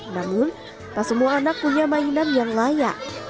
namun tak semua anak punya mainan yang layak